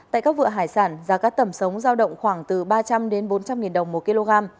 tại các vựa hải sản giá cá tẩm sống giao động khoảng từ ba trăm linh đến bốn trăm linh nghìn đồng một kg